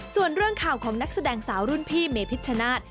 ส่วนเรื่องข่าวของนักแสดงสาวรุ่นพี่เมพิชชนาธิ์